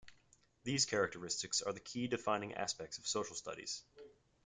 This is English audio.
These characteristics are the key defining aspects of social studies.